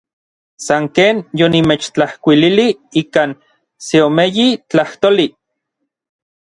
San ken yonimechtlajkuililij ikan seomeyi tlajtoli.